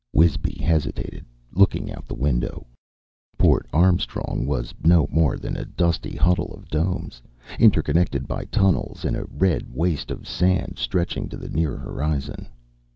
Wisby hesitated, looking out the window. Port Armstrong was no more than a dusty huddle of domes, interconnected by tunnels, in a red waste of sand stretching to the near horizon.